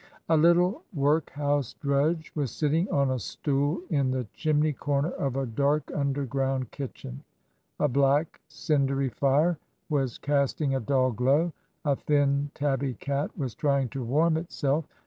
A little workhouse drudge was sitting on a stool in the chimney corner of a dark underground kitchen; a black, cindery fire was casting a dull glow; a thin tabby cat was trying to warm itself.